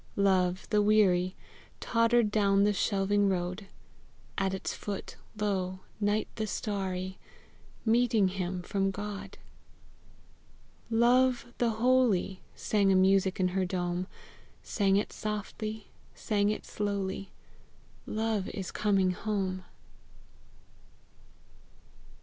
Love, the weary, Tottered down the shelving road: At its foot, lo, night the starry Meeting him from God! "Love, the holy!" Sang a music in her dome, Sang it softly, sang it slowly, " Love is coming home!"